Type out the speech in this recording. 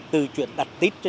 từ chuyện đặc tích